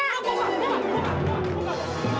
buka buka buka